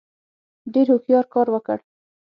ډېر هوښیار کار وکړ.